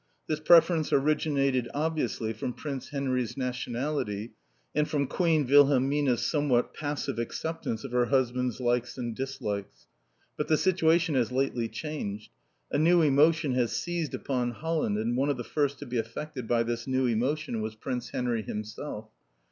This preference originated obviously from Prince Henry's nationality, and from Queen Wilhelmina's somewhat passive acceptance of her husband's likes and dislikes. But the situation has lately changed. A new emotion has seized upon Holland, and one of the first to be affected by this new emotion was Prince Henry himself.